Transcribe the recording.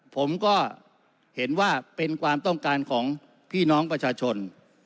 ผมก็เห็นว่าเป็นความต้องการของพี่น้องประชาชน